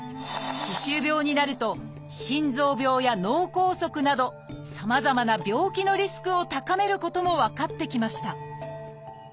歯周病になると心臓病や脳梗塞などさまざまな病気のリスクを高めることも分かってきました